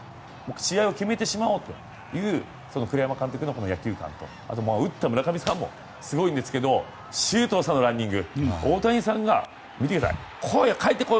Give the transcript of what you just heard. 試合を決めてしまおうという栗山監督の野球観とあとは打った村上さんもすごいんですけど周東さんのランニング大谷さんがかえってこい！